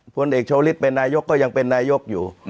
พลเอกชาวฤทธิเป็นนายกก็ยังเป็นนายกอยู่